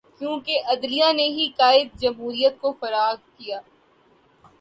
کیونکہ عدلیہ نے ہی قائد جمہوریت کو فارغ کیا۔